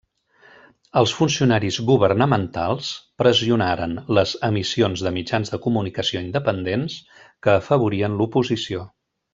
Els funcionaris governamentals pressionaren les emissions de mitjans de comunicació independents que afavorien l'oposició.